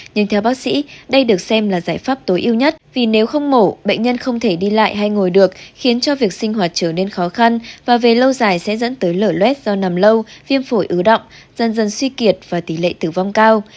nhưng theo bác sĩ đây được xem là giải pháp tối ưu nhất vì nếu không mổ bệnh nhân không thể đi lại hay ngồi được khiến cho việc sinh hoạt trở nên khó khăn và về lâu dài sẽ dẫn tới lở luet do nằm lâu viêm phổi ứ động dần dần suy kiệt và tỷ lệ tử vong cao